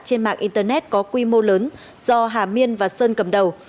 trên mạng internet có quy mô lớn do hà miên và sơn cầm đầu